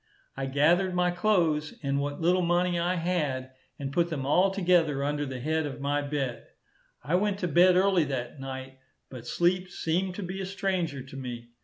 I gathered my clothes, and what little money I had, and put them all together under the head of my bed. I went to bed early that night, but sleep seemed to be a stranger to me.